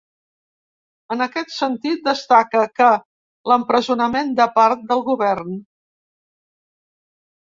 En aquest sentit, destaca que l’empresonament de part del govern.